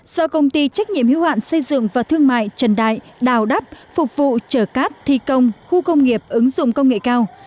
do công ty trách nhiệm hiếu hạn xây dựng và thương mại trần đại đào đắp phục vụ chở cát thi công khu công nghiệp ứng dụng công nghệ cao